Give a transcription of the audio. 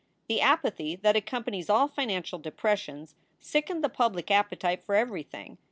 The apathy that accompanies all financial depressions sickened the public appetite for everything.